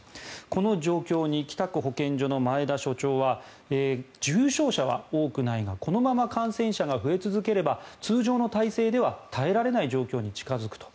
この状況に北区保健所の前田所長は重症者は多くないがこのまま感染者が増え続ければ通常の体制では耐えられない状況に近付くと。